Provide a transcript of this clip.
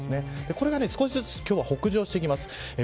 これが少づづ今日は北上していきます。